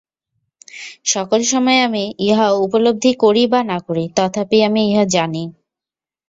সকল সময়ে আমি ইহা উপলব্ধি করি বা না করি, তথাপি আমি ইহা জানি।